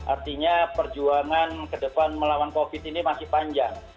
artinya perjuangan ke depan melawan covid ini masih panjang